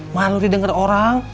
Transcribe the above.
malu didengar orang